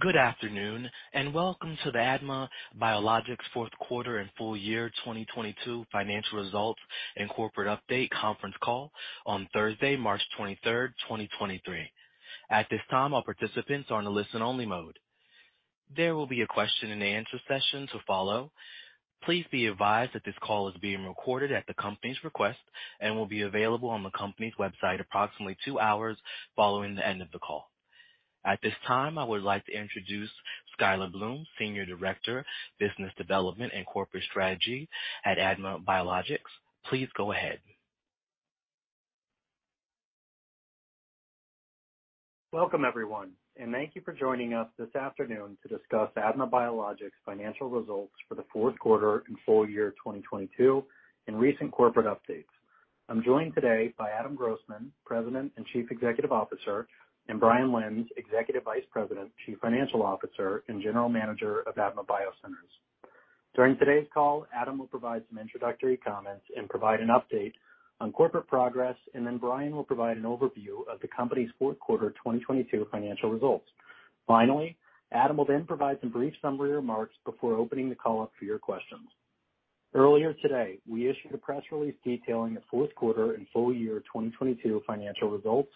Good afternoon, and welcome to the ADMA Biologics fourth quarter and full-year 2022 financial results and corporate update conference call on Thursday, March 23, 2023. At this time, all participants are on a listen only mode. There will be a question and answer session to follow. Please be advised that this call is being recorded at the company's request and will be available on the company's website approximately two hours following the end of the call. At this time, I would like to introduce Skyler Bloom, Senior Director, Business Development and Corporate Strategy at ADMA Biologics. Please go ahead. Welcome, everyone, and thank you for joining us this afternoon to discuss ADMA Biologics financial results for the fourth quarter and full-year 2022 and recent corporate updates. I'm joined today by Adam Grossman, President and Chief Executive Officer, and Brian Lenz, Executive Vice President, Chief Financial Officer, and General Manager of ADMA BioCenters. During today's call, Adam will provide some introductory comments and provide an update on corporate progress, and then Brian will provide an overview of the company's fourth quarter 2022 financial results. Finally, Adam will then provide some brief summary remarks before opening the call up for your questions. Earlier today, we issued a press release detailing the fourth quarter and full-year 2022 financial results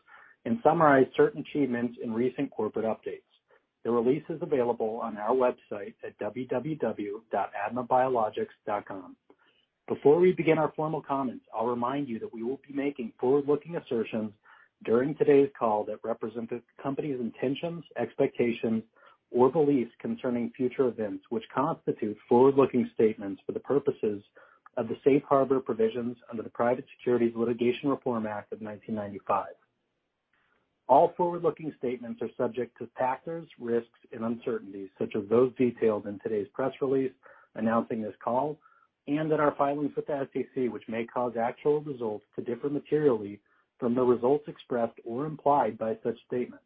and summarized certain achievements in recent corporate updates. The release is available on our website at www.admabiologics.com. Before we begin our formal comments, I'll remind you that we will be making forward-looking assertions during today's call that represent the company's intentions, expectations, or beliefs concerning future events which constitute forward-looking statements for the purposes of the safe harbor provisions under the Private Securities Litigation Reform Act of 1995. All forward-looking statements are subject to factors, risks, and uncertainties, such of those detailed in today's press release announcing this call and in our filings with the SEC, which may cause actual results to differ materially from the results expressed or implied by such statements.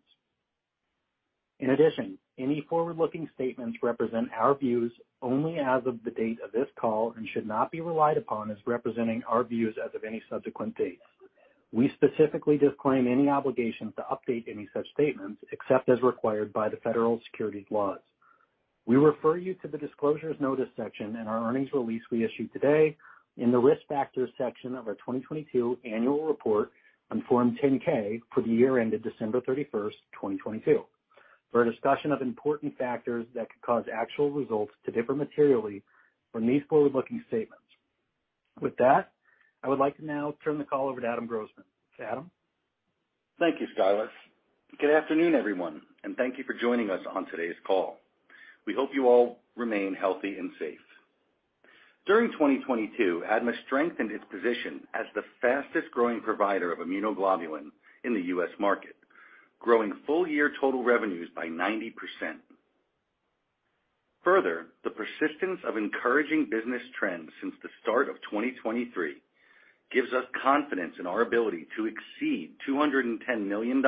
In addition, any forward-looking statements represent our views only as of the date of this call and should not be relied upon as representing our views as of any subsequent date. We specifically disclaim any obligation to update any such statements, except as required by the federal securities laws. We refer you to the disclosures notice section in our earnings release we issued today in the Risk Factors section of our 2022 annual report on Form 10-K for the year ended December 31st, 2022, for a discussion of important factors that could cause actual results to differ materially from these forward-looking statements. I would like to now turn the call over to Adam Grossman. Adam. Thank you, Skyler. Good afternoon, everyone, and thank you for joining us on today's call. We hope you all remain healthy and safe. During 2022, ADMA strengthened its position as the fastest-growing provider of immunoglobulin in the U.S. market, growing full-year total revenues by 90%. The persistence of encouraging business trends since the start of 2023 gives us confidence in our ability to exceed $210 million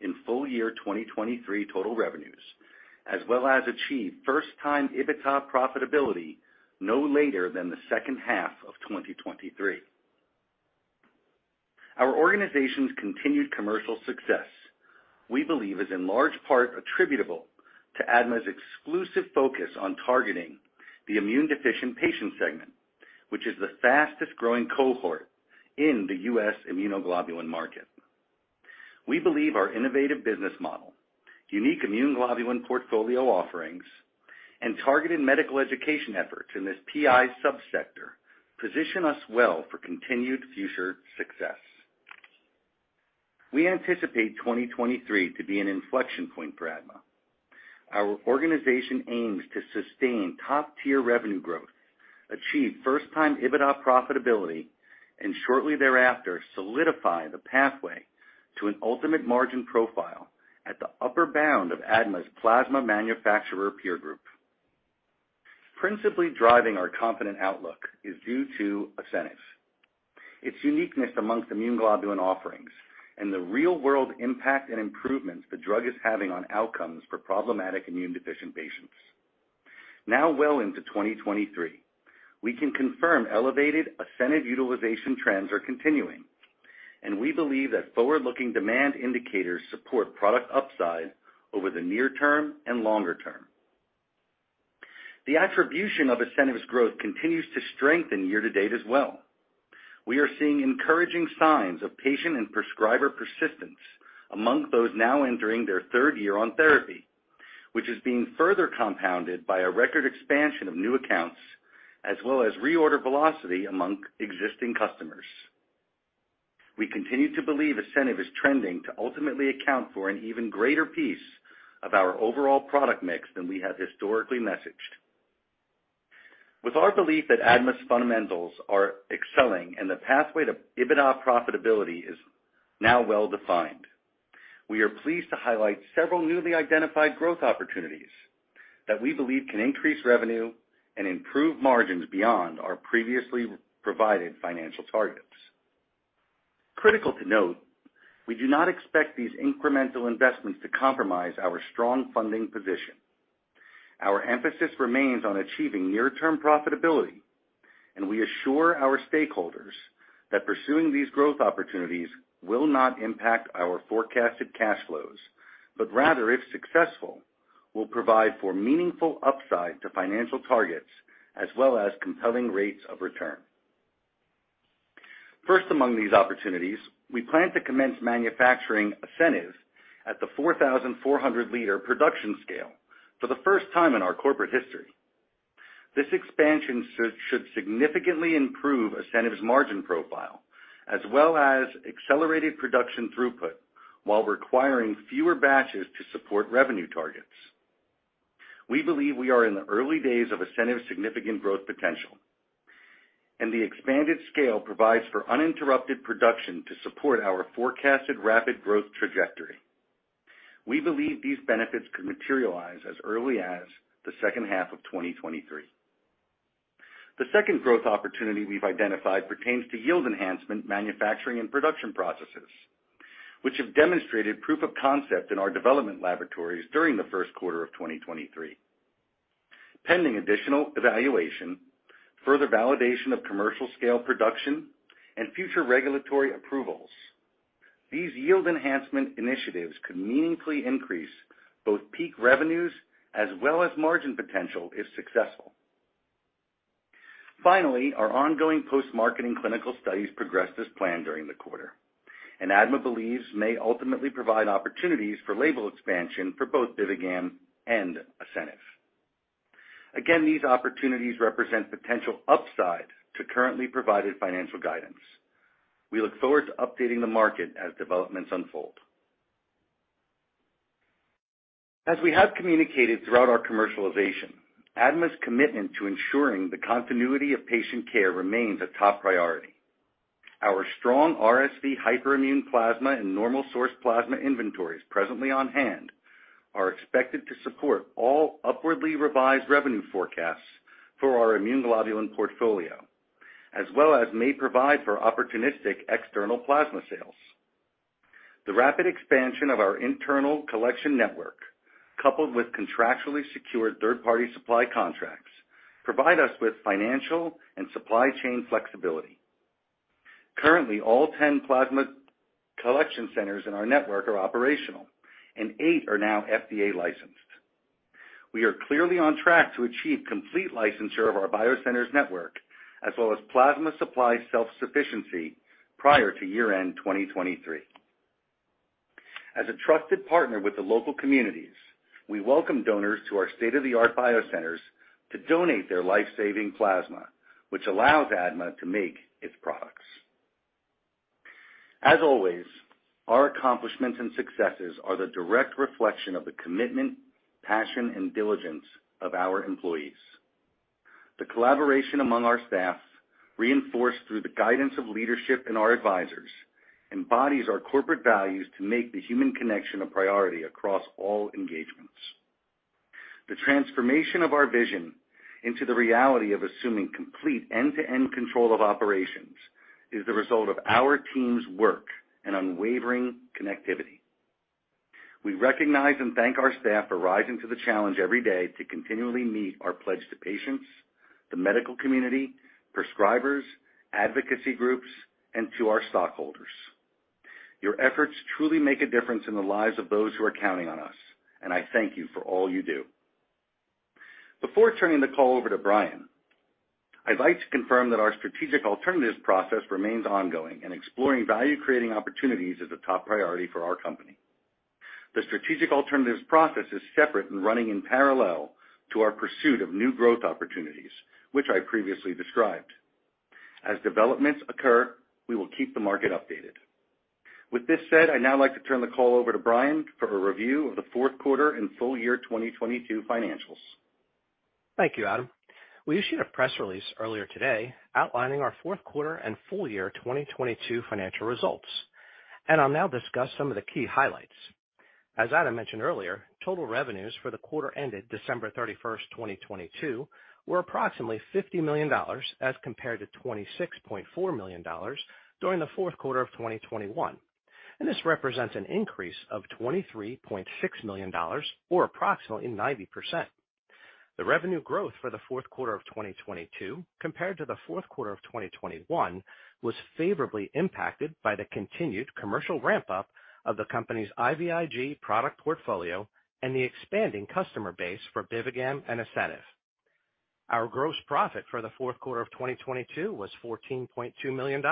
in full-year 2023 total revenues, as well as achieve first-time EBITDA profitability no later than the second half of 2023. Our organization's continued commercial success, we believe is in large part attributable to ADMA's exclusive focus on targeting the immune deficient patient segment, which is the fastest-growing cohort in the U.S. immunoglobulin market. We believe our innovative business model, unique immunoglobulin portfolio offerings, and targeted medical education efforts in this PI subsector position us well for continued future success. We anticipate 2023 to be an inflection point for ADMA. Our organization aims to sustain top-tier revenue growth, achieve first-time EBITDA profitability, and shortly thereafter, solidify the pathway to an ultimate margin profile at the upper bound of ADMA's plasma manufacturer peer group. Principally driving our confident outlook is due to ASCENIV, its uniqueness amongst immunoglobulin offerings and the real-world impact and improvements the drug is having on outcomes for problematic immune deficient patients. Now, well into 2023, we can confirm elevated ASCENIV utilization trends are continuing, and we believe that forward-looking demand indicators support product upside over the near term and longer term. The attribution of ASCENIV's growth continues to strengthen year to date as well. We are seeing encouraging signs of patient and prescriber persistence among those now entering their third year on therapy, which is being further compounded by a record expansion of new accounts, as well as reorder velocity among existing customers. We continue to believe ASCENIV is trending to ultimately account for an even greater piece of our overall product mix than we have historically messaged. With our belief that ADMA's fundamentals are excelling and the pathway to EBITDA profitability is now well defined, we are pleased to highlight several newly identified growth opportunities that we believe can increase revenue and improve margins beyond our previously provided financial targets. Critical to note, we do not expect these incremental investments to compromise our strong funding position. Our emphasis remains on achieving near-term profitability. We assure our stakeholders that pursuing these growth opportunities will not impact our forecasted cash flows, rather, if successful, will provide for meaningful upside to financial targets as well as compelling rates of return. First among these opportunities, we plan to commence manufacturing ASCENIV at the 4,400 L production scale for the first time in our corporate history. This expansion should significantly improve ASCENIV's margin profile, as well as accelerated production throughput while requiring fewer batches to support revenue targets. We believe we are in the early days of ASCENIV's significant growth potential. The expanded scale provides for uninterrupted production to support our forecasted rapid growth trajectory. We believe these benefits could materialize as early as the second half of 2023. The second growth opportunity we've identified pertains to yield enhancement manufacturing and production processes, which have demonstrated proof of concept in our development laboratories during the first quarter of 2023. Pending additional evaluation, further validation of commercial scale production, and future regulatory approvals, these yield enhancement initiatives could meaningfully increase both peak revenues as well as margin potential if successful. Finally, our ongoing post-marketing clinical studies progressed as planned during the quarter, and ADMA believes may ultimately provide opportunities for label expansion for both BIVIGAM and ASCENIV. Again, these opportunities represent potential upside to currently provided financial guidance. We look forward to updating the market as developments unfold. As we have communicated throughout our commercialization, ADMA's commitment to ensuring the continuity of patient care remains a top priority. Our strong RSV hyperimmune plasma and normal source plasma inventories presently on hand are expected to support all upwardly revised revenue forecasts for our immunoglobulin portfolio, as well as may provide for opportunistic external plasma sales. The rapid expansion of our internal collection network, coupled with contractually secured third-party supply contracts, provide us with financial and supply chain flexibility. Currently, all 10 plasma collection centers in our network are operational, and eight are now FDA-licensed. We are clearly on track to achieve complete licensure of our BioCenters network, as well as plasma supply self-sufficiency prior to year-end 2023. As a trusted partner with the local communities, we welcome donors to our state-of-the-art BioCenters to donate their life-saving plasma, which allows ADMA to make its products. As always, our accomplishments and successes are the direct reflection of the commitment, passion, and diligence of our employees. The collaboration among our staffs, reinforced through the guidance of leadership and our advisors, embodies our corporate values to make the human connection a priority across all engagements. The transformation of our vision into the reality of assuming complete end-to-end control of operations is the result of our team's work and unwavering connectivity. We recognize and thank our staff for rising to the challenge every day to continually meet our pledge to patients, the medical community, prescribers, advocacy groups, and to our stockholders. Your efforts truly make a difference in the lives of those who are counting on us, and I thank you for all you do. Before turning the call over to Brian, I'd like to confirm that our strategic alternatives process remains ongoing, and exploring value-creating opportunities is a top priority for our company. The strategic alternatives process is separate and running in parallel to our pursuit of new growth opportunities, which I previously described. As developments occur, we will keep the market updated. With this said, I'd now like to turn the call over to Brian for a review of the fourth quarter and full-year 2022 financials. Thank you, Adam. We issued a press release earlier today outlining our fourth quarter and full-year 2022 financial results, and I'll now discuss some of the key highlights. As Adam mentioned earlier, total revenues for the quarter ended December 31st, 2022 were approximately $50 million as compared to $26.4 million during the fourth quarter of 2021, and this represents an increase of $23.6 million or approximately 90%. The revenue growth for the fourth quarter of 2022 compared to the fourth quarter of 2021 was favorably impacted by the continued commercial ramp-up of the company's IVIG product portfolio and the expanding customer base for BIVIGAM and ASCENIV. Our gross profit for the fourth quarter of 2022 was $14.2 million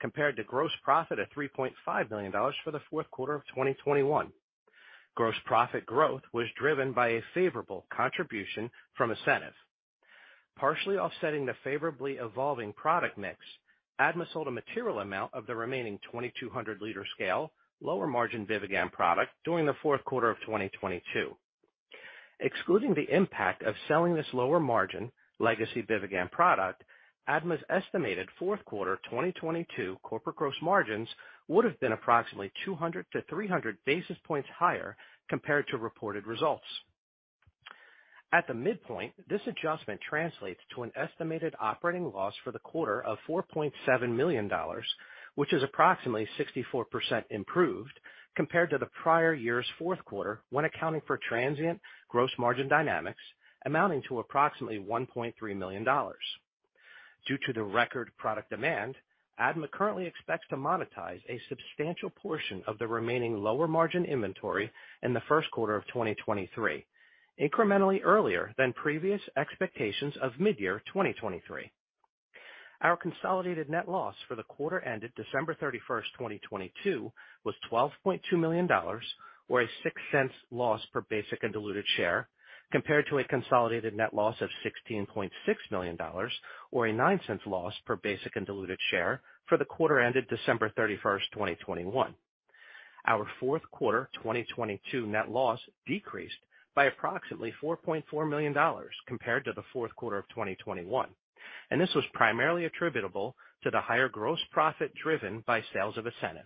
compared to gross profit of $3.5 million for the fourth quarter of 2021. Gross profit growth was driven by a favorable contribution from ASCENIV. Partially offsetting the favorably evolving product mix, ADMA sold a material amount of the remaining 2,200 L scale, lower-margin BIVIGAM product during the fourth quarter of 2022. Excluding the impact of selling this lower margin legacy BIVIGAM product, ADMA's estimated fourth quarter 2022 corporate gross margins would have been approximately 200 to 300 basis points higher compared to reported results. At the midpoint, this adjustment translates to an estimated operating loss for the quarter of $4.7 million, which is approximately 64% improved compared to the prior year's fourth quarter when accounting for transient gross margin dynamics amounting to approximately $1.3 million. Due to the record product demand, ADMA currently expects to monetize a substantial portion of the remaining lower margin inventory in the first quarter of 2023, incrementally earlier than previous expectations of midyear 2023. Our consolidated net loss for the quarter ended December 31st, 2022 was $12.2 million, or a $0.06 loss per basic and diluted share, compared to a consolidated net loss of $16.6 million or a $0.09 loss per basic and diluted share for the quarter ended December 31st, 2021. Our fourth quarter 2022 net loss decreased by approximately $4.4 million compared to the fourth quarter of 2021. This was primarily attributable to the higher gross profit driven by sales of ASCENIV.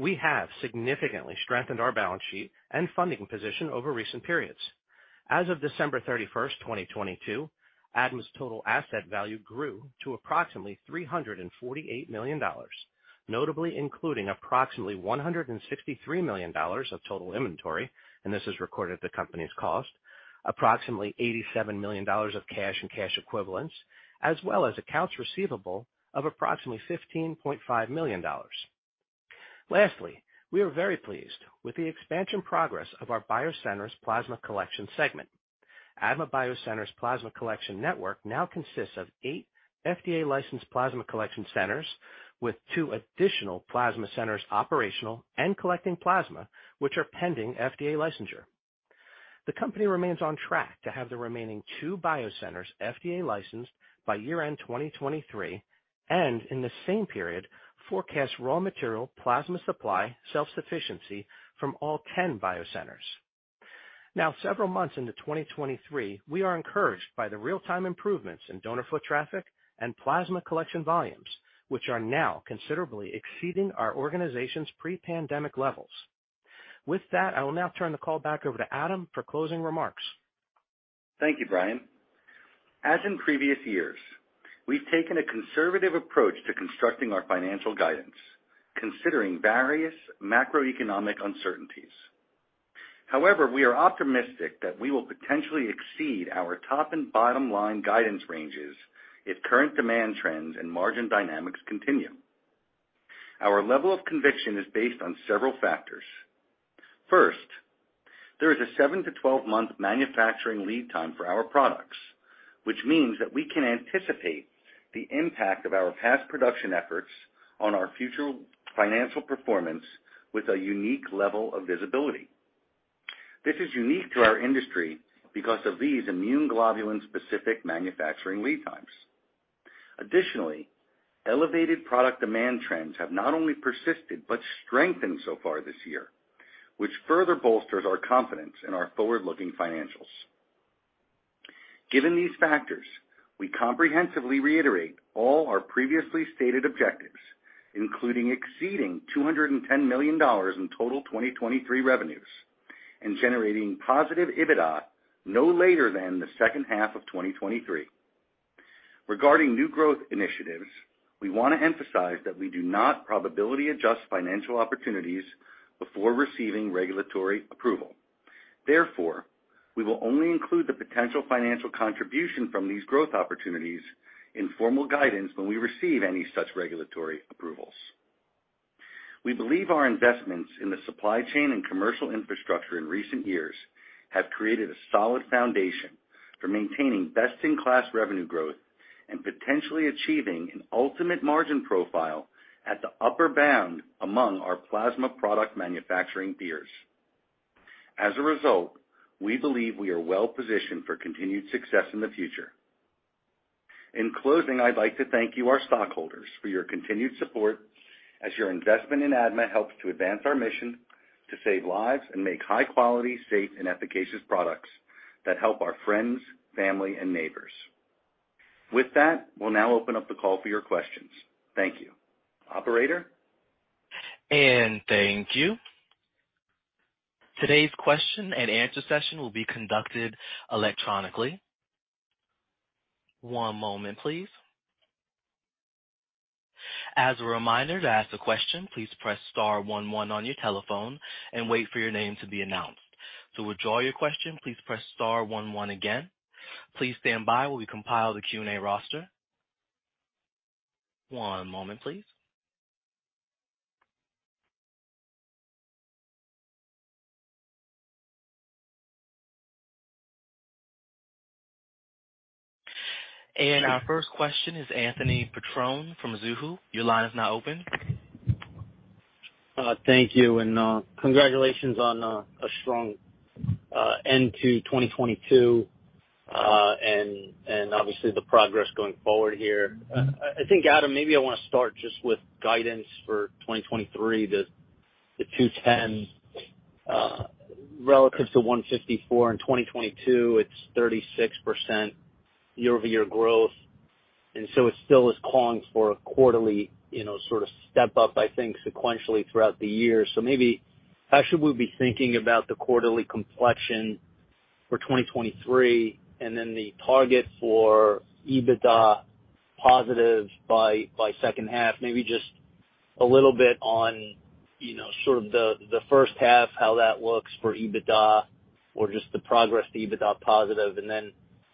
We have significantly strengthened our balance sheet and funding position over recent periods. As of December 31, 2022, ADMA's total asset value grew to approximately $348 million, notably including approximately $163 million of total inventory, and this is recorded at the company's cost. Approximately $87 million of cash and cash equivalents, as well as accounts receivable of approximately $15.5 million. Lastly, we are very pleased with the expansion progress of our ADMA BioCenters plasma collection segment. ADMA BioCenters plasma collection network now consists of eight FDA licensed plasma collection centers with two additional plasma centers operational and collecting plasma, which are pending FDA licensure. The company remains on track to have the remaining two BioCenters FDA licensed by year-end 2023, and in the same period, forecast raw material plasma supply self-sufficiency from all 10 BioCenters. Now, several months into 2023, we are encouraged by the real-time improvements in donor foot traffic and plasma collection volumes, which are now considerably exceeding our organization's pre-pandemic levels. With that, I will now turn the call back over to Adam for closing remarks. Thank you, Brian. As in previous years, we've taken a conservative approach to constructing our financial guidance, considering various macroeconomic uncertainties. However, we are optimistic that we will potentially exceed our top and bottom line guidance ranges if current demand trends and margin dynamics continue. Our level of conviction is based on several factors. First, there is a seven to 12 month manufacturing lead time for our products, which means that we can anticipate the impact of our past production efforts on our future financial performance with a unique level of visibility. This is unique to our industry because of these immunoglobulin specific manufacturing lead times. Additionally, elevated product demand trends have not only persisted but strengthened so far this year, which further bolsters our confidence in our forward-looking financials. Given these factors, we comprehensively reiterate all our previously stated objectives, including exceeding $210 million in total 2023 revenues and generating positive EBITDA no later than the second half of 2023. Regarding new growth initiatives, we want to emphasize that we do not probability adjust financial opportunities before receiving regulatory approval. We will only include the potential financial contribution from these growth opportunities in formal guidance when we receive any such regulatory approvals. We believe our investments in the supply chain and commercial infrastructure in recent years have created a solid foundation for maintaining best-in-class revenue growth and potentially achieving an ultimate margin profile at the upper bound among our plasma product manufacturing peers. We believe we are well positioned for continued success in the future. In closing, I'd like to thank you, our stockholders, for your continued support as your investment in ADMA helps to advance our mission to save lives and make high quality, safe, and efficacious products that help our friends, family, and neighbors. With that, we'll now open up the call for your questions. Thank you. Operator? Thank you. Today's question and answer session will be conducted electronically. One moment, please. As a reminder, to ask a question, please press star one one on your telephone and wait for your name to be announced. To withdraw your question, please press star one one again. Please stand by while we compile the Q&A roster. One moment, please. Our first question is Anthony Petrone from Mizuho. Your line is now open. Thank you, and congratulations on a strong end to 2022, and obviously the progress going forward here. Adam, maybe I want to start just with guidance for 2023. The $210 million relative to $154 million in 2022, it's 36% year-over-year growth, it still is calling for a quarterly, you know, sort of step up sequentially throughout the year. Maybe how should we be thinking about the quarterly complexion for 2023 and then the target for EBITDA positive by second half, maybe just a little bit on, you know, sort of the first half, how that looks for EBITDA or just the progress to EBITDA positive.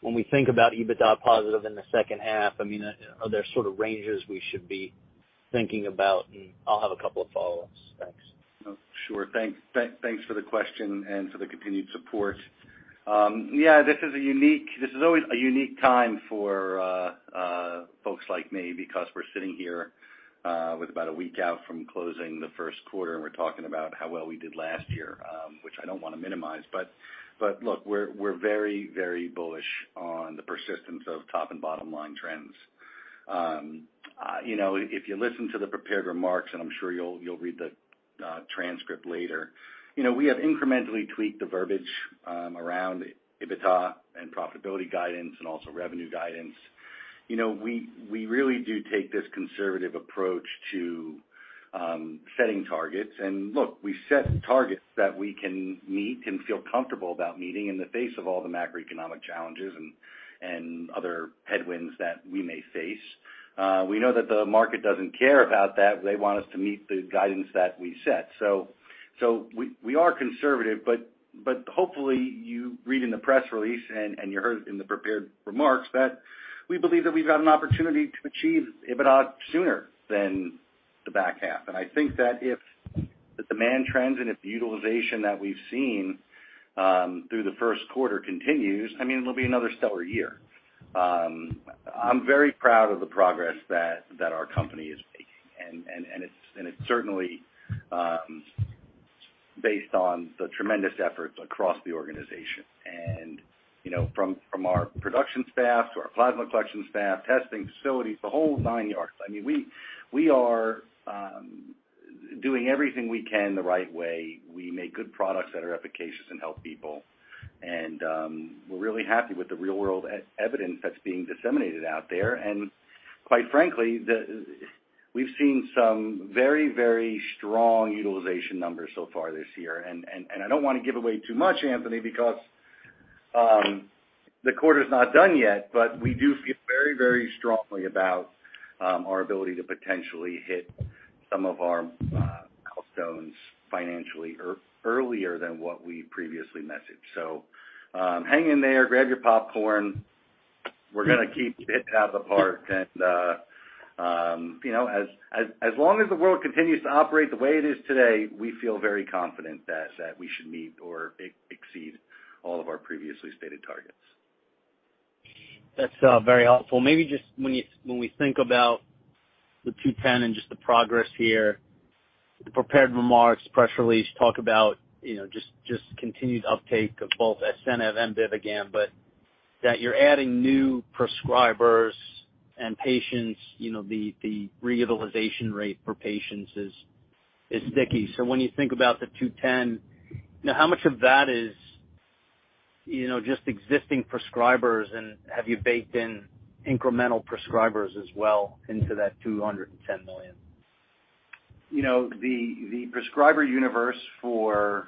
When we think about EBITDA positive in the second half, I mean, are there sort of ranges we should be thinking about? I'll have a couple of follow-ups. Thanks. Sure. Thanks for the question and for the continued support. Yeah, this is always a unique time for folks like me because we're sitting here with about a week out from closing the first quarter, and we're talking about how well we did last year, which I don't want to minimize. Look, we're very, very bullish on the persistence of top and bottom line trends. You know, if you listen to the prepared remarks, and I'm sure you'll read the transcript later, you know, we have incrementally tweaked the verbiage around EBITDA and profitability guidance and also revenue guidance. You know, we really do take this conservative approach to setting targets. Look, we set targets that we can meet and feel comfortable about meeting in the face of all the macroeconomic challenges and other headwinds that we may face. We know that the market doesn't care about that. They want us to meet the guidance that we set. We are conservative, but hopefully you read in the press release and you heard in the prepared remarks that we believe that we've got an opportunity to achieve EBITDA sooner than the back half. I think that if the demand trends and if the utilization that we've seen, through the first quarter continues, I mean, it'll be another stellar year. I'm very proud of the progress that our company is making, and it's certainly, based on the tremendous efforts across the organization. You know, from our production staff to our plasma collection staff, testing facilities, the whole nine yards. I mean, we are doing everything we can the right way. We make good products that are efficacious and help people. We're really happy with the real-world evidence that's being disseminated out there. Quite frankly, we've seen some very, very strong utilization numbers so far this year. I don't want to give away too much, Anthony, because the quarter's not done yet, but we do feel very, very strongly about our ability to potentially hit some of our milestones financially earlier than what we previously messaged. Hang in there, grab your popcorn. We're gonna keep hitting it out of the park. You know, as long as the world continues to operate the way it is today, we feel very confident that we should meet or exceed all of our previously stated targets. That's very helpful. Maybe just when we think about the $210 million and just the progress here, the prepared remarks, press release talk about, you know, just continued uptake of both ASCENIV and BIVIGAM, but that you're adding new prescribers and patients, you know, the re-utilization rate for patients is sticky. When you think about the $210 million, how much of that is, you know, just existing prescribers, and have you baked in incremental prescribers as well into that $210 million? You know, the prescriber universe for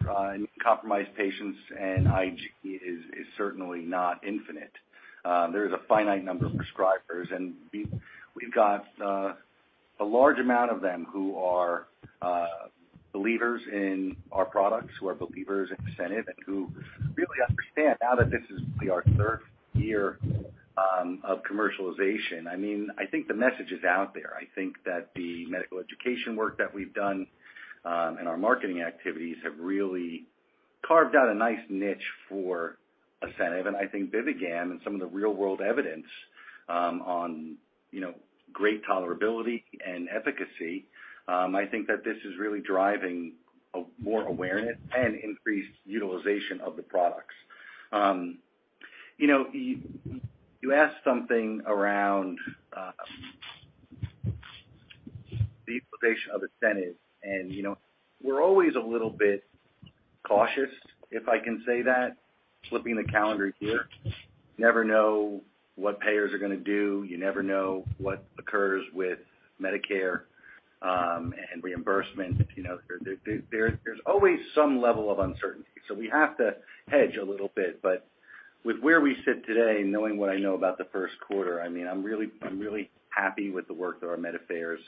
compromised patients and IG is certainly not infinite. There is a finite number of prescribers, and we've got a large amount of them who are believers in our products, who are believers in ASCENIV, and who really understand now that this is our third year of commercialization. I mean, I think the message is out there. I think that the medical education work that we've done, and our marketing activities have really carved out a nice niche for ASCENIV. I think BIVIGAM and some of the real-world evidence on, you know, great tolerability and efficacy, I think that this is really driving more awareness and increased utilization of the products. You know, you asked something around the utilization of ASCENIV. You know, we're always a little bit cautious, if I can say that, flipping the calendar here. Never know what payers are gonna do. You never know what occurs with Medicare and reimbursement. You know, there's always some level of uncertainty, so we have to hedge a little bit. With where we sit today, knowing what I know about the first quarter, I mean, I'm really happy with the work that our Med Affairs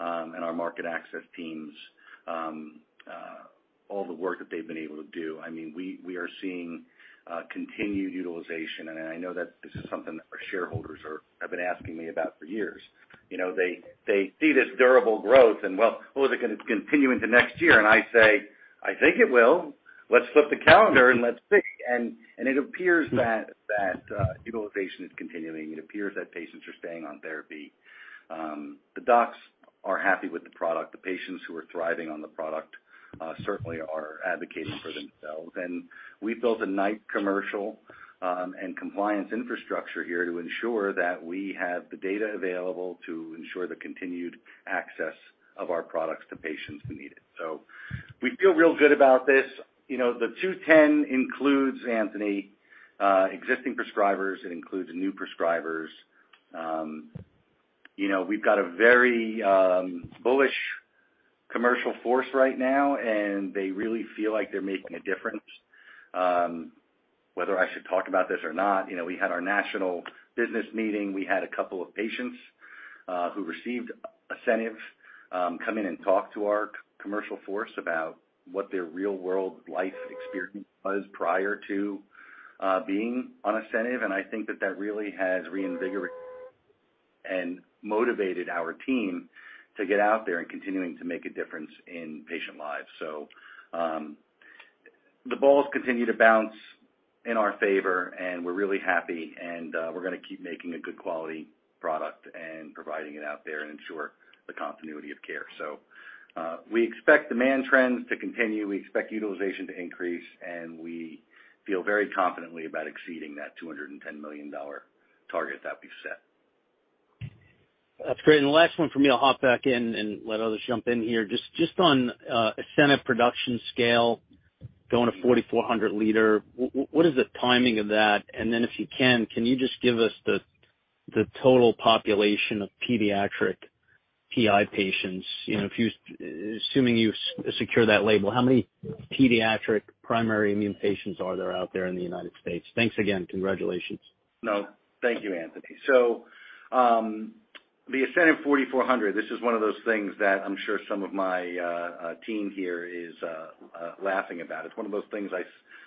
and our market access teams, all the work that they've been able to do. I mean, we are seeing continued utilization. I know that this is something that our shareholders have been asking me about for years. You know, they see this durable growth and, well, is it gonna continue into next year? I say, "I think it will. Let's flip the calendar and let's see." It appears that utilization is continuing. It appears that patients are staying on therapy. The docs are happy with the product. The patients who are thriving on the product, certainly are advocating for themselves. We've built a nice commercial, and compliance infrastructure here to ensure that we have the data available to ensure the continued access of our products to patients who need it. We feel real good about this. You know, the $210 million includes, Anthony, existing prescribers. It includes new prescribers. You know, we've got a very bullish commercial force right now, and they really feel like they're making a difference. Whether I should talk about this or not, you know, we had our national business meeting. We had a couple of patients who received ASCENIV come in and talk to our commercial force about what their real-world life experience was prior to being on ASCENIV. I think that that really has reinvigorated and motivated our team to get out there and continuing to make a difference in patient lives. The balls continue to bounce in our favor, and we're really happy, and we're gonna keep making a good quality product and providing it out there and ensure the continuity of care. We expect demand trends to continue. We expect utilization to increase, and we feel very confidently about exceeding that $210 million target that we've set. That's great. The last one for me, I'll hop back in and let others jump in here. Just on ASCENIV production scale going to 4,400 L, what is the timing of that? Then if you can you just give us the total population of pediatric PI patients? You know, assuming you secure that label, how many pediatric primary immune patients are there out there in the United States? Thanks again. Congratulations. No, thank you, Anthony. The ASCENIV 4,400, this is one of those things that I'm sure some of my team here is laughing about. It's one of those things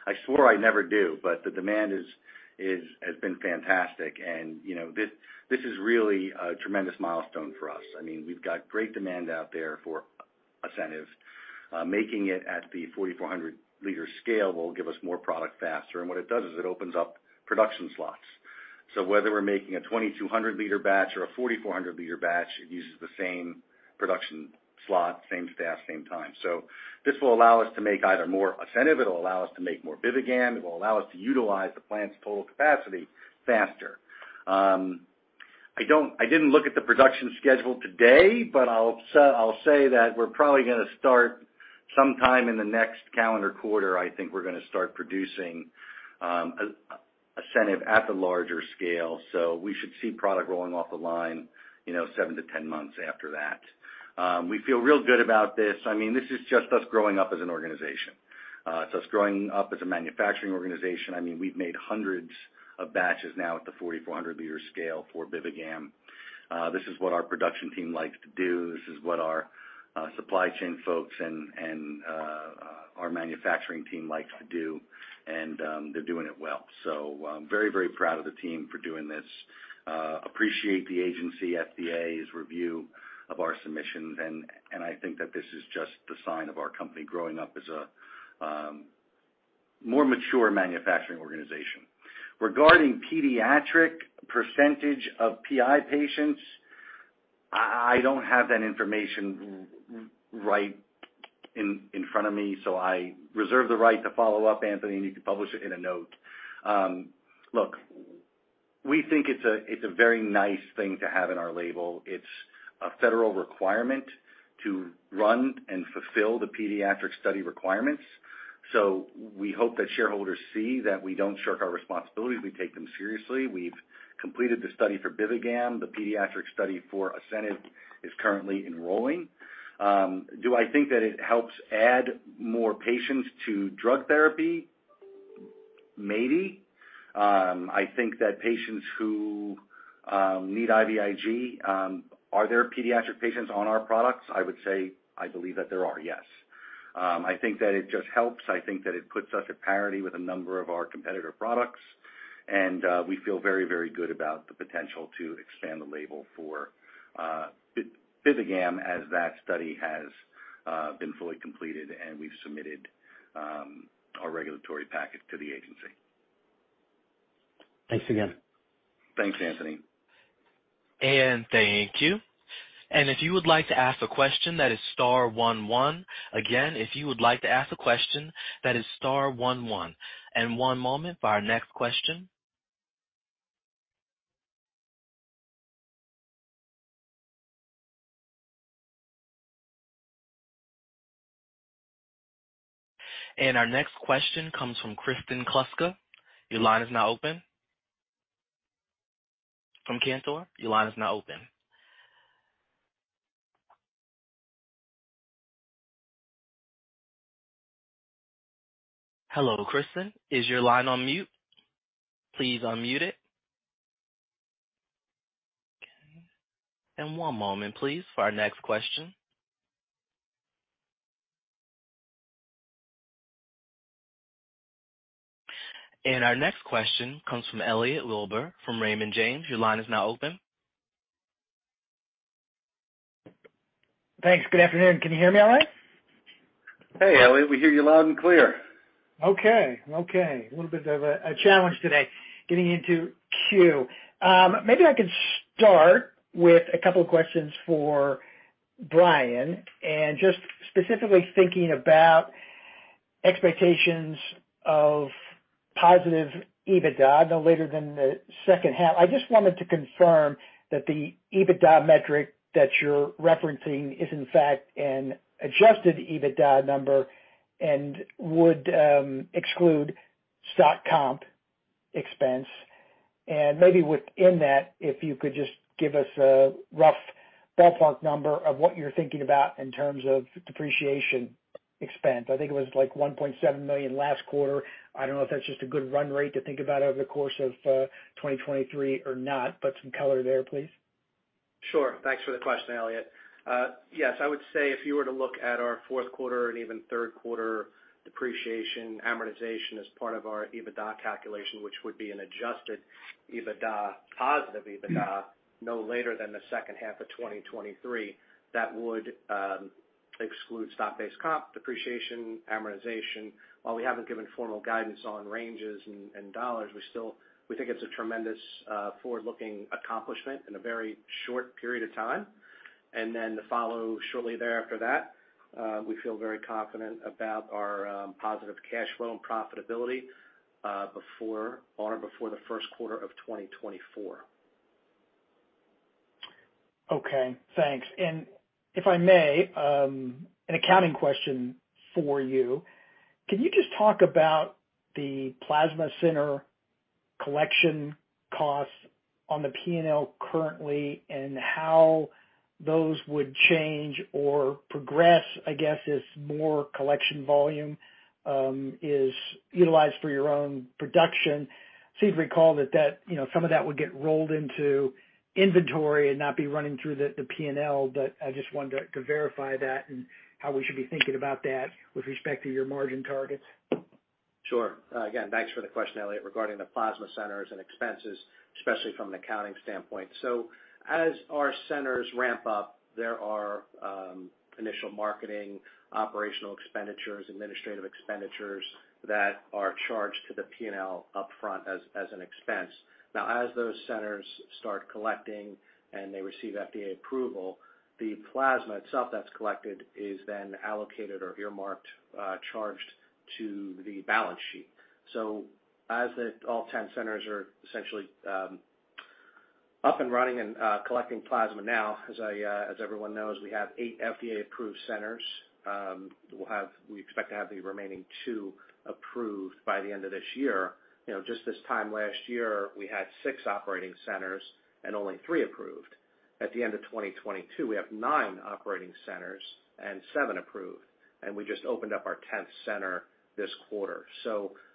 I swore I never do, but the demand is has been fantastic. You know, this is really a tremendous milestone for us. I mean, we've got great demand out there for ASCENIV. Making it at the 4,400 L scale will give us more product faster. What it does is it opens up production slots. Whether we're making a 2,200 L batch or a 4,400 L batch, it uses the same production slot, same staff, same time. This will allow us to make either more ASCENIV, it'll allow us to make more BIVIGAM. It will allow us to utilize the plant's total capacity faster. I didn't look at the production schedule today, but I'll say that we're probably gonna start sometime in the next calendar quarter. I think we're gonna start producing ASCENIV at the larger scale. We should see product rolling off the line, you know, seven to 10 months after that. We feel real good about this. I mean, this is just us growing up as an organization. It's us growing up as a manufacturing organization. I mean, we've made hundreds of batches now at the 4,400 L scale for BIVIGAM. This is what our production team likes to do. This is what our supply chain folks and our manufacturing team likes to do, and they're doing it well. I'm very, very proud of the team for doing this. Appreciate the agency FDA's review of our submissions. I think that this is just the sign of our company growing up as a more mature manufacturing organization. Regarding pediatric percentage of PI patients, I don't have that information right in front of me, so I reserve the right to follow up, Anthony, and you can publish it in a note. Look, we think it's a very nice thing to have in our label. It's a federal requirement to run and fulfill the pediatric study requirements. We hope that shareholders see that we don't shirk our responsibilities. We take them seriously. We've completed the study for BIVIGAM. The pediatric study for ASCENIV is currently enrolling. Do I think that it helps add more patients to drug therapy? Maybe. I think that patients who need IVIG, are there pediatric patients on our products? I would say I believe that there are, yes. I think that it just helps. I think that it puts us at parity with a number of our competitor products. We feel very, very good about the potential to expand the label for BIVIGAM as that study has been fully completed and we've submitted our regulatory packet to the agency. Thanks again. Thanks, Anthony. Thank you. If you would like to ask a question, that is star one one. Again, if you would like to ask a question, that is star one one. One moment for our next question. Our next question comes from Kristen Kluska. Your line is now open. From Cantor. Your line is now open. Hello, Kristen. Is your line on mute? Please unmute it. Okay. One moment, please, for our next question. Our next question comes from Elliot Wilbur from Raymond James. Your line is now open. Thanks. Good afternoon. Can you hear me all right? Hey, Elliot. We hear you loud and clear. Okay. Okay. A little bit of a challenge today getting into queue. Maybe I could start with a couple of questions for Brian and just specifically thinking about expectations of positive EBITDA, no later than the second half. I just wanted to confirm that the EBITDA metric that you're referencing is in fact an adjusted EBITDA number and would exclude stock comp expense. Maybe within that, if you could just give us a rough ballpark number of what you're thinking about in terms of depreciation expense. I think it was like $1.7 million last quarter. I don't know if that's just a good run rate to think about over the course of 2023 or not, but some color there, please. Sure. Thanks for the question, Elliot. Yes, I would say if you were to look at our fourth quarter and even third quarter depreciation, amortization as part of our EBITDA calculation, which would be an adjusted EBITDA, positive EBITDA, no later than the second half of 2023, that would exclude stock-based comp, depreciation, amortization. While we haven't given formal guidance on ranges and dollars, we think it's a tremendous forward-looking accomplishment in a very short period of time. Then to follow shortly thereafter that, we feel very confident about our positive cash flow and profitability on or before the first quarter of 2024. Okay, thanks. If I may, an accounting question for you. Can you just talk about the plasma center collection costs on the P&L currently and how those would change or progress, I guess, as more collection volume is utilized for your own production? I seem to recall that, you know, some of that would get rolled into inventory and not be running through the P&L, but I just wanted to verify that and how we should be thinking about that with respect to your margin targets. Sure. Again, thanks for the question, Elliot, regarding the plasma centers and expenses, especially from an accounting standpoint. As our centers ramp up, there are initial marketing, operational expenditures, administrative expenditures that are charged to the P&L upfront as an expense. As those centers start collecting and they receive FDA approval, the plasma itself that's collected is then allocated or earmarked, charged to the balance sheet. As the all 10 centers are essentially up and running and collecting plasma now, as everyone knows, we have eight FDA-approved centers. We expect to have the remaining two approved by the end of this year. You know, just this time last year, we had six operating centers and only three approved. At the end of 2022, we have nine operating centers and seven approved, and we just opened up our 10th center this quarter.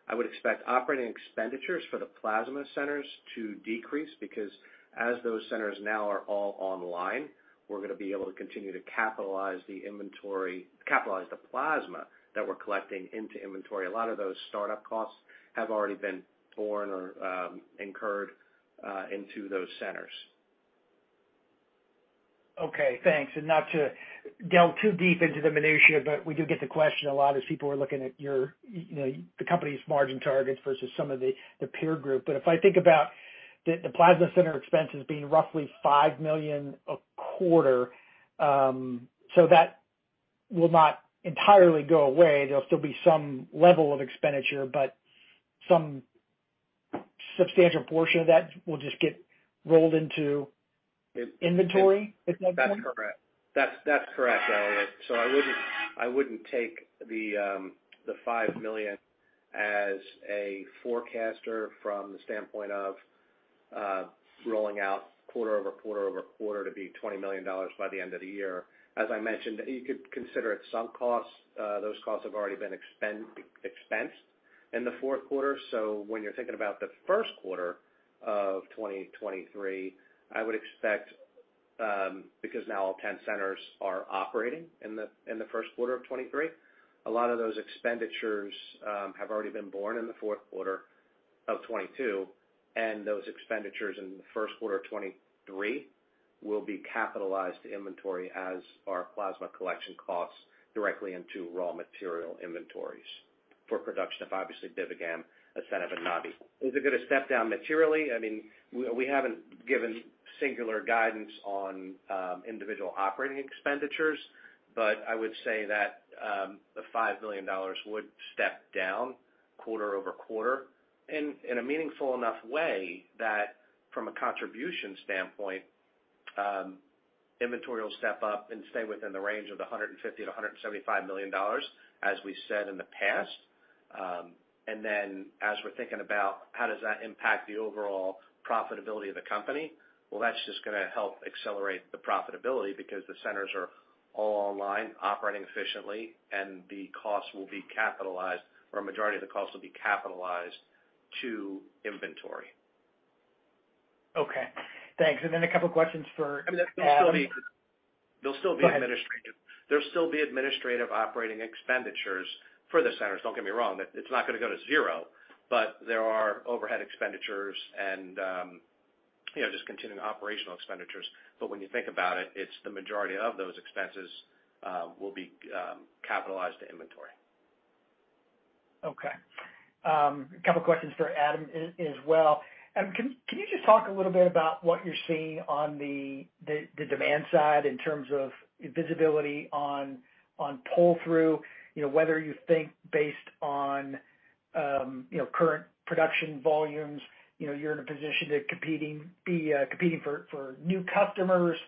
I would expect operating expenditures for the plasma centers to decrease because as those centers now are all online, we're gonna be able to continue to capitalize the inventory, capitalize the plasma that we're collecting into inventory. A lot of those startup costs have already been borne or incurred into those centers. Okay, thanks. Not to delve too deep into the minutiae, but we do get the question a lot as people are looking at your, you know, the company's margin targets versus some of the peer group. If I think about the plasma center expenses being roughly $5 million a quarter, so that will not entirely go away. There'll still be some level of expenditure, but some substantial portion of that will just get rolled into inventory at some point? That's correct. That's correct, Elliot. I wouldn't take the $5 million as a forecaster from the standpoint of rolling out quarter over quarter over quarter to be $20 million by the end of the year. As I mentioned, you could consider it sunk costs. Those costs have already been expensed in the fourth quarter. When you're thinking about the first quarter of 2023, I would expect, because now all 10 centers are operating in the first quarter of 2023, a lot of those expenditures have already been borne in the fourth quarter of 2022, and those expenditures in the first quarter of 2023 will be capitalized to inventory as our plasma collection costs directly into raw material inventories for production of obviously BIVIGAM, ASCENIV, and Nabi-HB. Is it gonna step down materially? I mean, we haven't given singular guidance on individual operating expenditures. I would say that the $5 million would step down quarter-over-quarter in a meaningful enough way that from a contribution standpoint, inventory will step up and stay within the range of the $150 million-$175 million, as we said in the past. As we're thinking about how does that impact the overall profitability of the company, well, that's just gonna help accelerate the profitability because the centers are all online, operating efficiently, and the costs will be capitalized, or a majority of the costs will be capitalized to inventory. Okay, thanks. Then a couple questions for Adam. I mean, there'll still be. Go ahead. There'll still be administrative operating expenditures for the centers. Don't get me wrong. It's not gonna go to zero, but there are overhead expenditures and, you know, just continuing operational expenditures. When you think about it's the majority of those expenses will be capitalized to inventory. Okay. A couple questions for Adam as well. Can you just talk a little bit about what you're seeing on the demand side in terms of visibility on pull-through? You know, whether you think based on, you know, current production volumes, you know, you're in a position to competing for new customers,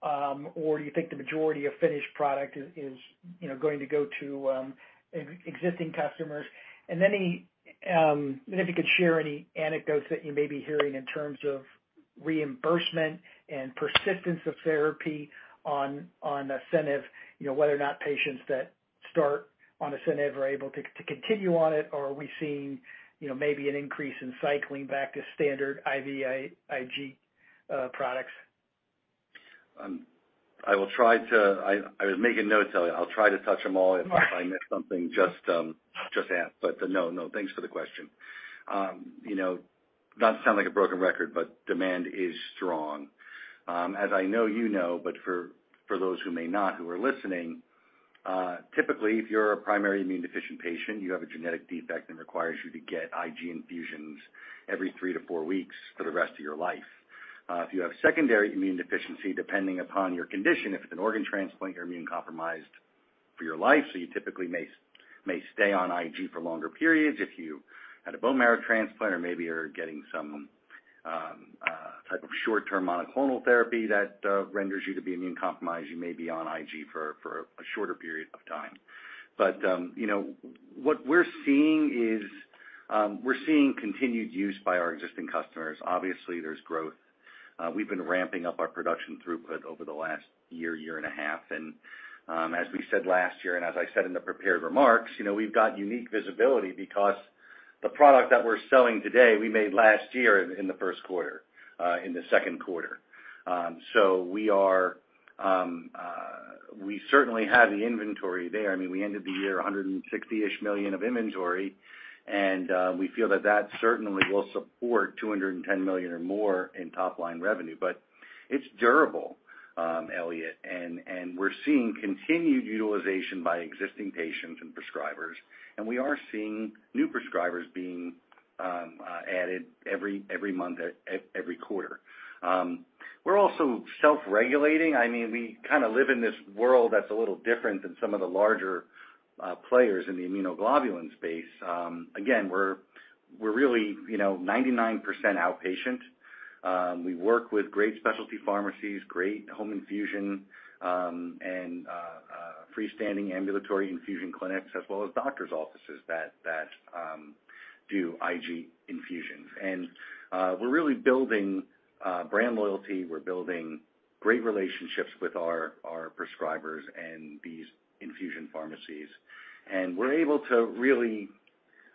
or do you think the majority of finished product is, you know, going to go to existing customers? If you could share any anecdotes that you may be hearing in terms of reimbursement and persistence of therapy on ASCENIV. You know, whether or not patients that start on ASCENIV are able to continue on it, or are we seeing, you know, maybe an increase in cycling back to standard IVIG products. I will try to... I was making notes, Elliot. I'll try to touch them all. If I miss something, just ask. No, thanks for the question. You know, not to sound like a broken record, demand is strong. As I know you know, for those who may not who are listening, typically, if you're a primary immunodeficient patient, you have a genetic defect that requires you to get IG infusions every three to four weeks for the rest of your life. If you have secondary immune deficiency, depending upon your condition, if it's an organ transplant, you're immune compromised for your life, you typically may stay on IG for longer periods. If you had a bone marrow transplant or maybe you're getting some type of short-term monoclonal therapy that renders you to be immunocompromised, you may be on IG for a shorter period of time. You know, what we're seeing is, we're seeing continued use by our existing customers. Obviously, there's growth. We've been ramping up our production throughput over the last year and a half. As we said last year, and as I said in the prepared remarks, you know, we've got unique visibility because the product that we're selling today, we made last year in the first quarter, in the second quarter. We are, we certainly have the inventory there. I mean, we ended the year $160 million-ish of inventory, we feel that that certainly will support $210 million or more in top line revenue. It's durable, Elliot, and we're seeing continued utilization by existing patients and prescribers, and we are seeing new prescribers being added every month, every quarter. We're also self-regulating. I mean, we kinda live in this world that's a little different than some of the larger players in the immunoglobulin space. Again, we're really, you know, 99% outpatient. We work with great specialty pharmacies, great home infusion, freestanding ambulatory infusion clinics, as well as doctor's offices that do IG infusions. We're really building brand loyalty. We're building great relationships with our prescribers and these infusion pharmacies. We're able to really,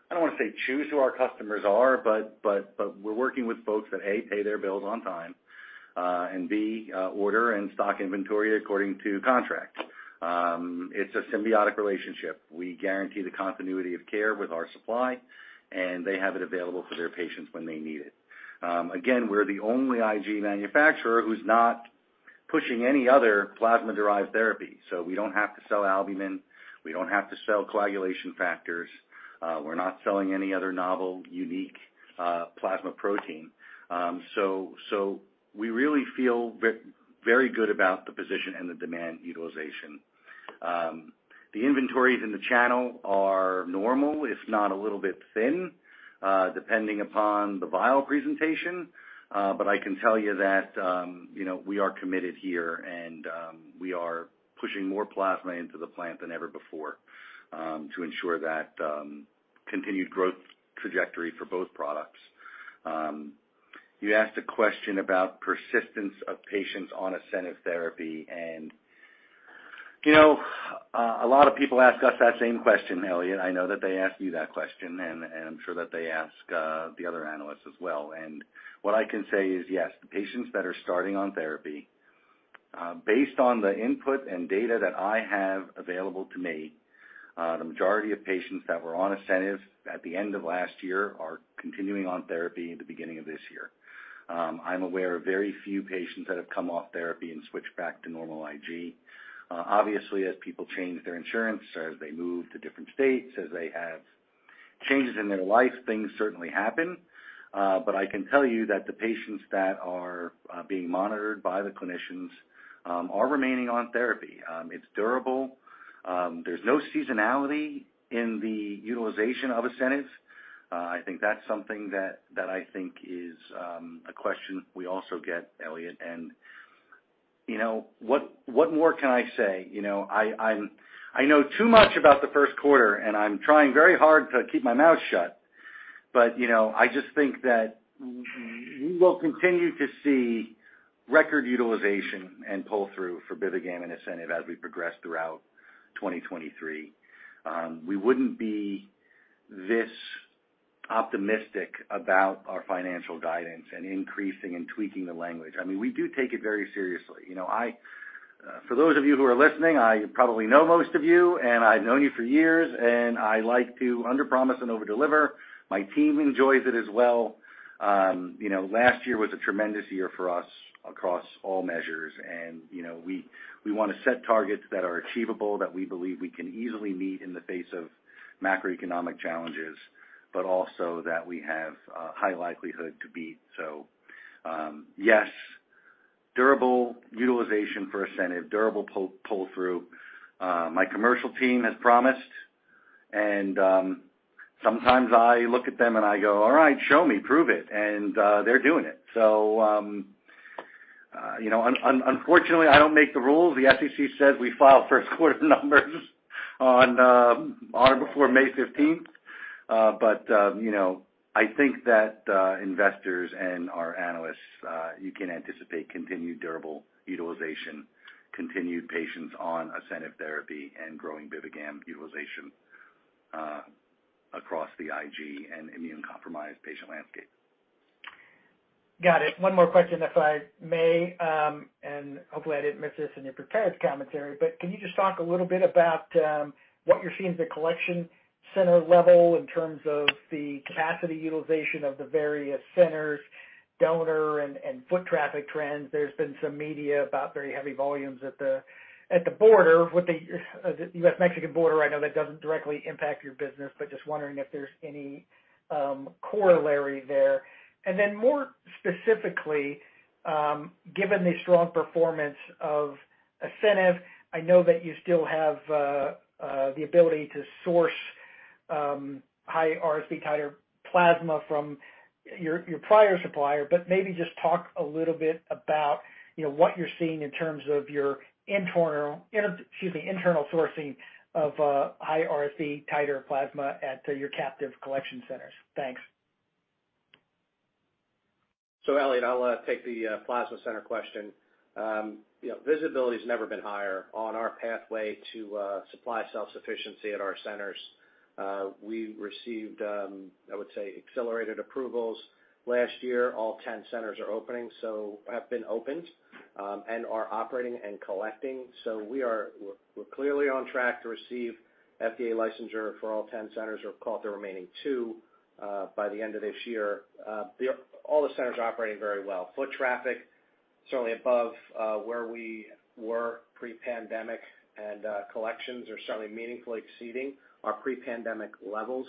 I don't wanna say choose who our customers are, but we're working with folks that, A, pay their bills on time, and B, order and stock inventory according to contract. It's a symbiotic relationship. We guarantee the continuity of care with our supply. They have it available for their patients when they need it. Again, we're the only IG manufacturer who's not pushing any other plasma-derived therapy, so we don't have to sell albumin, we don't have to sell coagulation factors, we're not selling any other novel, unique, plasma protein. We really feel very good about the position and the demand utilization. The inventories in the channel are normal, if not a little bit thin, depending upon the vial presentation. I can tell you that, you know, we are committed here and we are pushing more plasma into the plant than ever before to ensure that continued growth trajectory for both products. You asked a question about persistence of patients on ASCENIV therapy and, you know, a lot of people ask us that same question, Elliot. I know that they ask you that question, and I'm sure that they ask the other analysts as well. What I can say is, yes, the patients that are starting on therapy, based on the input and data that I have available to me, the majority of patients that were on ASCENIV at the end of last year are continuing on therapy in the beginning of this year. I'm aware of very few patients that have come off therapy and switched back to normal IG. Obviously, as people change their insurance or as they move to different states, as they have changes in their life, things certainly happen. But I can tell you that the patients that are being monitored by the clinicians are remaining on therapy. It's durable. There's no seasonality in the utilization of ASCENIV. I think that's something that I think is a question we also get, Elliot. You know, what more can I say? You know, I know too much about the first quarter, and I'm trying very hard to keep my mouth shut. You know, I just think that we will continue to see record utilization and pull-through for BIVIGAM and ASCENIV as we progress throughout 2023. We wouldn't be this optimistic about our financial guidance and increasing and tweaking the language. I mean, we do take it very seriously. You know, I, for those of you who are listening, I probably know most of you, and I've known you for years, and I like to underpromise and overdeliver. My team enjoys it as well. You know, last year was a tremendous year for us across all measures. You know, we wanna set targets that are achievable, that we believe we can easily meet in the face of macroeconomic challenges, but also that we have a high likelihood to beat. Yes, durable utilization for ASCENIV, durable pull-through. My commercial team has promised and sometimes I look at them and I go, "All right, show me. Prove it." They're doing it. You know, unfortunately, I don't make the rules. The SEC says we file first quarter numbers on or before May 15th. You know, I think that investors and our analysts, you can anticipate continued durable utilization, continued patients on ASCENIV therapy, and growing BIVIGAM utilization across the IG and immunocompromised patient landscape. Got it. One more question, if I may. Hopefully I didn't miss this in your prepared commentary, but can you just talk a little bit about what you're seeing at the collection center level in terms of the capacity utilization of the various centers, donor and foot traffic trends? There's been some media about very heavy volumes at the border with the U.S.-Mexican border. I know that doesn't directly impact your business, but just wondering if there's any corollary there. Then more specifically, given the strong performance of ASCENIV, I know that you still have the ability to source high RSV titer plasma from your prior supplier, but maybe just talk a little bit about, you know, what you're seeing in terms of your interna, excuse me, internal sourcing of high RSV titer plasma at your captive collection centers. Thanks. Elliot, I'll take the plasma center question. You know, visibility's never been higher on our pathway to supply self-sufficiency at our centers. We received, I would say accelerated approvals last year. All 10 centers are opening, so have been opened, and are operating and collecting. We're clearly on track to receive FDA licensure for all 10 centers. We'll call it the remaining two, by the end of this year. All the centers are operating very well. Foot traffic certainly above where we were pre-pandemic, and collections are certainly meaningfully exceeding our pre-pandemic levels.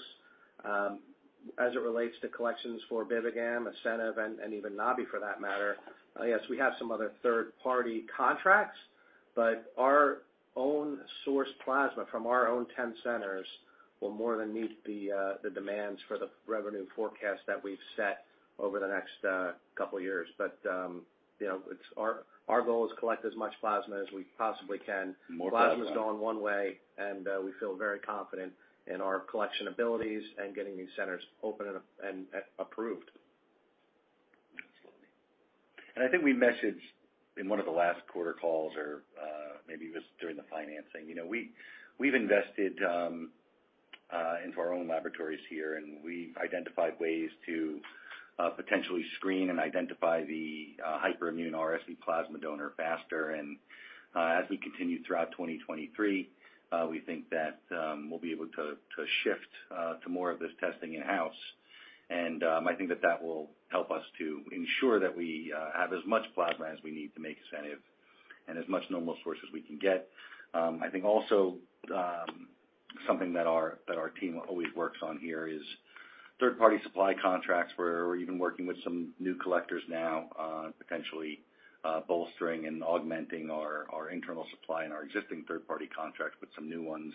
As it relates to collections for BIVIGAM, ASCENIV, and even Nabi for that matter, yes, we have some other third-party contracts, but our own sourced plasma from our own 10 centers will more than meet the demands for the revenue forecast that we've set over the next couple years. You know, our goal is collect as much plasma as we possibly can. More plasma. Plasma is going one way, and we feel very confident in our collection abilities and getting these centers open and approved. Absolutely. I think we messaged in one of the last quarter calls or, maybe it was during the financing. You know, we've invested into our own laboratories here, and we identified ways to potentially screen and identify the hyperimmune RSV plasma donor faster. As we continue throughout 2023, we think that we'll be able to shift to more of this testing in-house. I think that that will help us to ensure that we have as much plasma as we need to make ASCENIV and as much normal source as we can get. I think also, something that our team always works on here is third-party supply contracts. We're even working with some new collectors now, potentially, bolstering and augmenting our internal supply and our existing third-party contracts with some new ones.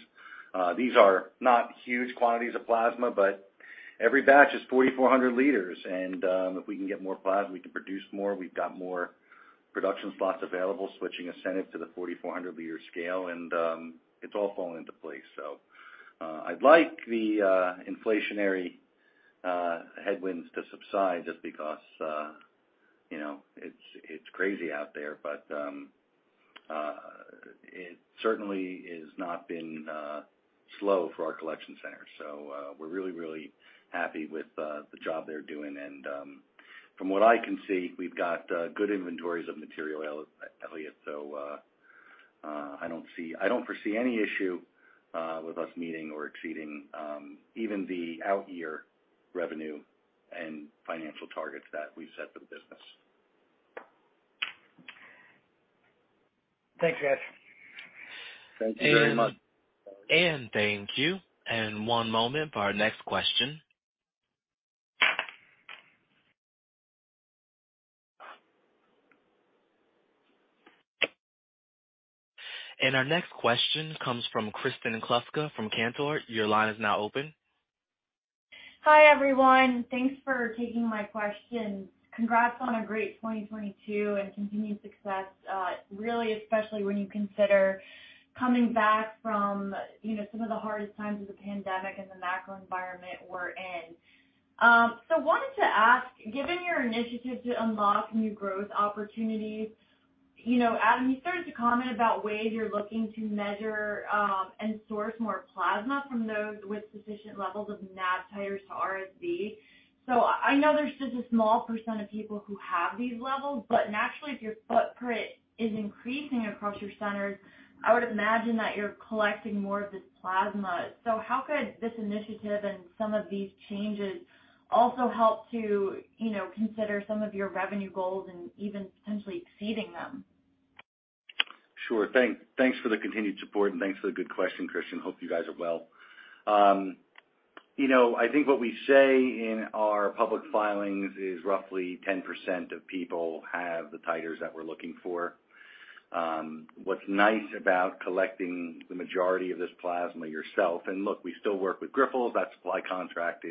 These are not huge quantities of plasma, but every batch is 4,400 L, and if we can get more plasma, we can produce more. We've got more production slots available, switching ASCENIV to the 4,400 L scale, and it's all falling into place. I'd like the inflationary headwinds to subside just because, you know, it's crazy out there. It certainly has not been slow for our collection centers. We're really happy with the job they're doing. From what I can see, we've got good inventories of material, Elliot, so, I don't foresee any issue with us meeting or exceeding even the out-year revenue and financial targets that we've set for the business. Thanks, guys. Thank you very much. And thank you. One moment for our next question. Our next question comes from Kristen Kluska from Cantor. Your line is now open. Hi, everyone. Thanks for taking my questions. Congrats on a great 2022 and continued success, really especially when you consider coming back from, you know, some of the hardest times of the pandemic and the macro environment we're in. Wanted to ask, given your initiative to unlock new growth opportunities, you know, Adam, you started to comment about ways you're looking to measure and source more plasma from those with sufficient levels of NAb titers to RSV. I know there's just a small percent of people who have these levels, but naturally, if your footprint is increasing across your centers, I would imagine that you're collecting more of this plasma. How could this initiative and some of these changes also help to, you know, consider some of your revenue goals and even potentially exceeding them? Sure. Thanks for the continued support, and thanks for the good question, Kristen. Hope you guys are well. You know, I think what we say in our public filings is roughly 10% of people have the titers that we're looking for. What's nice about collecting the majority of this plasma yourself and look, we still work with Grifols. That supply contract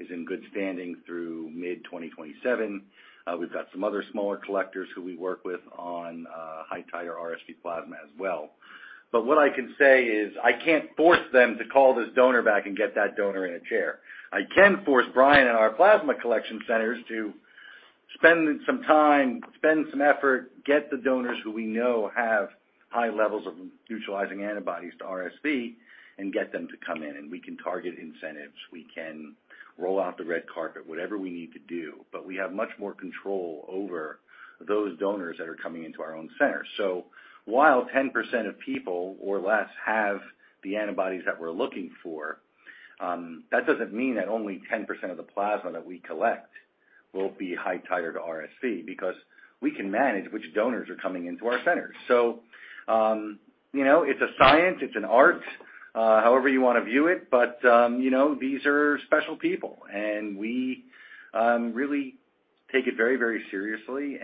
is in good standing through mid-2027. We've got some other smaller collectors who we work with on high titer RSV plasma as well. But what I can say is I can't force them to call this donor back and get that donor in a chair. I can force Brian and our plasma collection centers to spend some time, spend some effort, get the donors who we know have high levels of neutralizing antibodies to RSV and get them to come in. We can target incentives. We can roll out the red carpet, whatever we need to do. We have much more control over those donors that are coming into our own center. While 10% of people or less have the antibodies that we're looking for, that doesn't mean that only 10% of the plasma that we collect will be high titer to RSV because we can manage which donors are coming into our centers. You know, it's a science, it's an art, however you want to view it. You know, these are special people, and we really take it very, very seriously.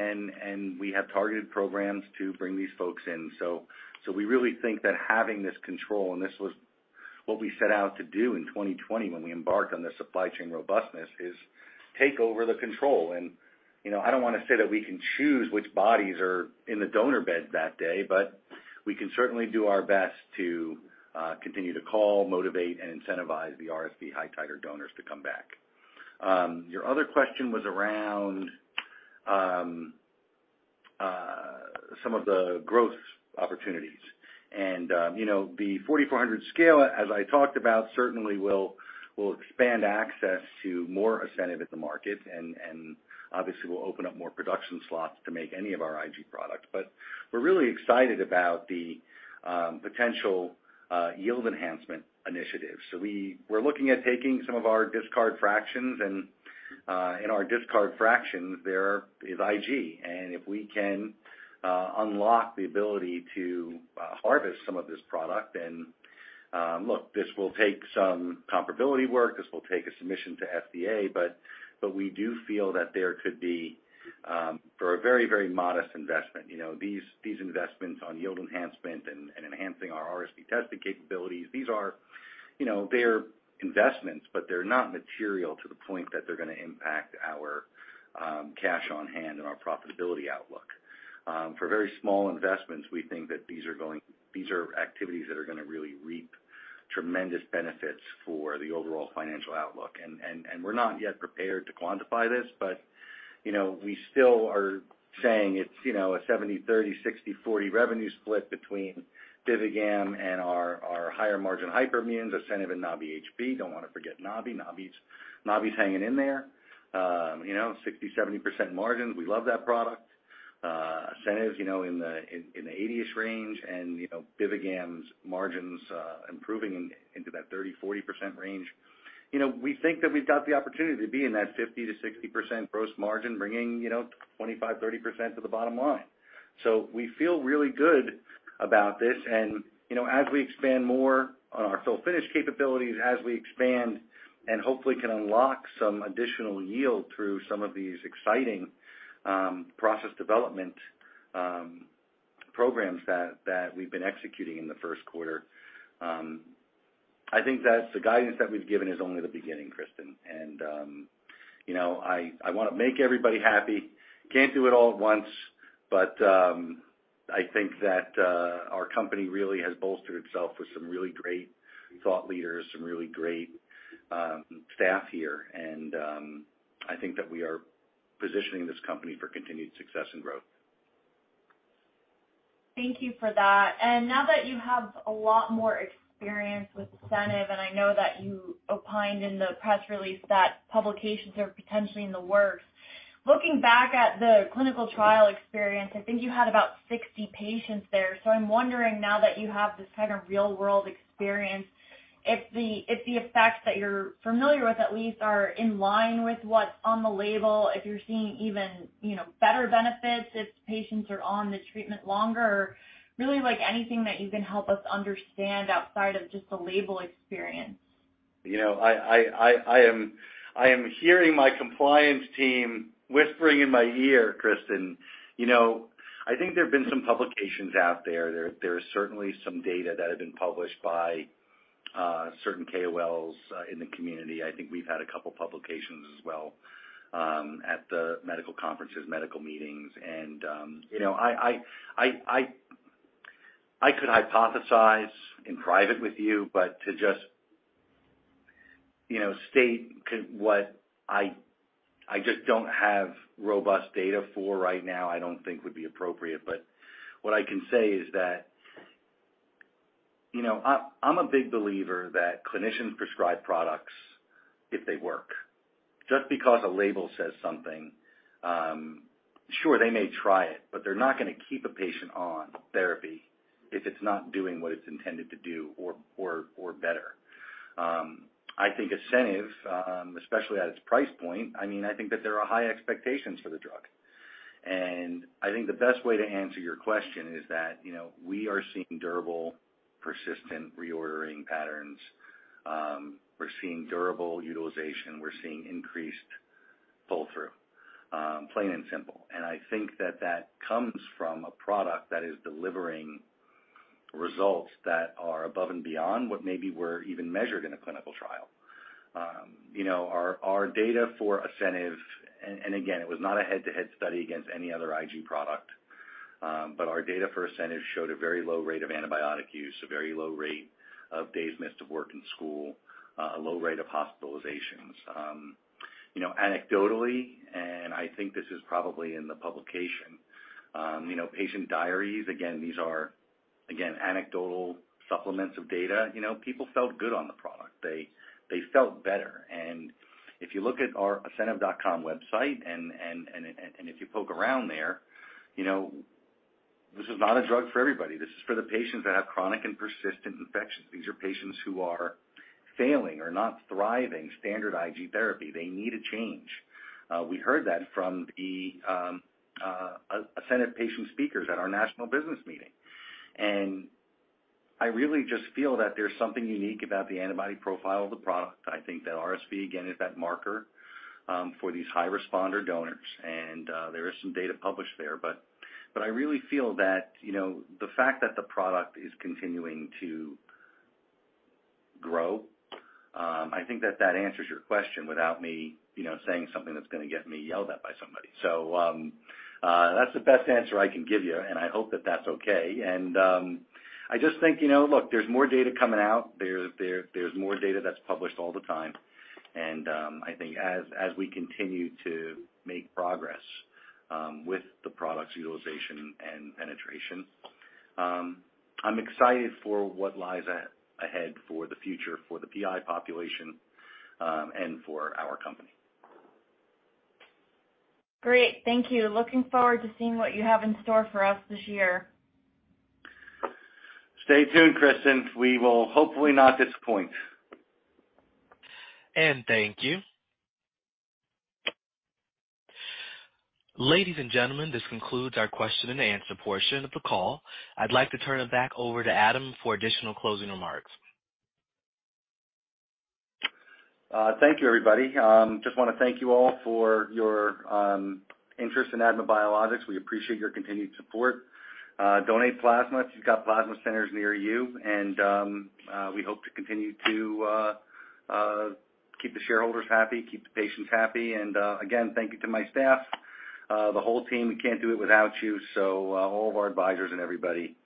We have targeted programs to bring these folks in. We really think that having this control, and this was what we set out to do in 2020 when we embarked on the supply chain robustness, is take over the control. You know, I don't wanna say that we can choose which bodies are in the donor bed that day, but we can certainly do our best to continue to call, motivate and incentivize the RSV high titer donors to come back. Your other question was around some of the growth opportunities. You know, the 4,400 scale, as I talked about, certainly will expand access to more ASCENIV at the market and obviously will open up more production slots to make any of our IG products. We're really excited about the potential yield enhancement initiatives. We're looking at taking some of our discard fractions, and in our discard fractions there is IG. If we can unlock the ability to harvest some of this product, then look, this will take some comparability work. This will take a submission to FDA. We do feel that there could be for a very, very modest investment, these investments on yield enhancement and enhancing our RSV testing capabilities, these are they're investments, but they're not material to the point that they're gonna impact our cash on hand and our profitability outlook. For very small investments, we think that these are activities that are gonna really reap tremendous benefits for the overall financial outlook. We're not yet prepared to quantify this, you know, we still are saying it's, you know, a 70/30, 60/40 revenue split between BIVIGAM and our higher margin hyperimmunes, ASCENIV and Nabi-HB. Don't wanna forget Nabi. Nabi's hanging in there. You know, 60%-70% margins. We love that product. ASCENIV is, you know, in the 80s range. You know, BIVIGAM's margins, improving into that 30%-40% range. You know, we think that we've got the opportunity to be in that 50%-60% gross margin, bringing, you know, 25%-30% to the bottom line. We feel really good about this. You know, as we expand more on our fill finish capabilities, as we expand and hopefully can unlock some additional yield through some of these exciting, process development, programs that we've been executing in the first quarter, I think that's the guidance that we've given is only the beginning, Kristen. You know, I wanna make everybody happy. Can't do it all at once, but, I think that our company really has bolstered itself with some really great thought leaders, some really great, staff here. I think that we are positioning this company for continued success and growth. Thank you for that. Now that you have a lot more experience with ASCENIV, I know that you opined in the press release that publications are potentially in the works. Looking back at the clinical trial experience, I think you had about 60 patients there. I'm wondering now that you have this kind of real world experience, if the effects that you're familiar with at least are in line with what's on the label, if you're seeing even, you know, better benefits, if patients are on the treatment longer, really like anything that you can help us understand outside of just the label experience. You know, I am hearing my compliance team whispering in my ear, Kristen. You know, I think there have been some publications out there. There are certainly some data that have been published by certain KOLs in the community. I think we've had a couple publications as well at the medical conferences, medical meetings. You know, I could hypothesize in private with you, but to just, you know, state what I just don't have robust data for right now, I don't think would be appropriate. What I can say is that, you know, I'm a big believer that clinicians prescribe products if they work. Just because a label says something, sure, they may try it, but they're not gonna keep a patient on therapy if it's not doing what it's intended to do or better. I think ASCENIV, especially at its price point, I mean, I think that there are high expectations for the drug. I think the best way to answer your question is that, you know, we are seeing durable, persistent reordering patterns. We're seeing durable utilization. We're seeing increased pull-through, plain and simple. I think that comes from a product that is delivering results that are above and beyond what maybe were even measured in a clinical trial. You know, our data for ASCENIV, and again, it was not a head-to-head study against any other IG product, but our data for ASCENIV showed a very low rate of antibiotic use, a very low rate of days missed of work and school, a low rate of hospitalizations. You know, anecdotally, and I think this is probably in the publication, you know, patient diaries, again, these are, again, anecdotal supplements of data. You know, people felt good on the product. They felt better. If you look at our ASCENIV.com website and if you poke around there, you know, this is not a drug for everybody. This is for the patients that have chronic and persistent infections. These are patients who are failing or not thriving standard IG therapy. They need a change. We heard that from the ASCENIV patient speakers at our national business meeting. I really just feel that there's something unique about the antibody profile of the product. I think that RSV, again, is that marker for these high responder donors, and there is some data published there. But I really feel that, you know, the fact that the product is continuing to grow, I think that that answers your question without me, you know, saying something that's gonna get me yelled at by somebody. That's the best answer I can give you, and I hope that that's okay. I just think, you know, look, there's more data coming out. There's more data that's published all the time. I think as we continue to make progress with the product's utilization and penetration, I'm excited for what lies ahead for the future for the PI population and for our company. Great. Thank you. Looking forward to seeing what you have in store for us this year. Stay tuned, Kristen. We will hopefully not disappoint. Thank you. Ladies and gentlemen, this concludes our question-and-answer portion of the call. I'd like to turn it back over to Adam for additional closing remarks. Thank you, everybody. Just wanna thank you all for your interest in ADMA Biologics. We appreciate your continued support. Donate plasma if you've got plasma centers near you and we hope to continue to keep the shareholders happy, keep the patients happy. Again, thank you to my staff, the whole team. We can't do it without you. All of our advisors and everybody,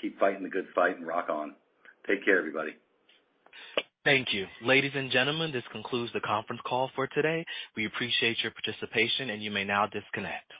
keep fighting the good fight and rock on. Take care, everybody. Thank you. Ladies and gentlemen, this concludes the conference call for today. We appreciate your participation, and you may now disconnect.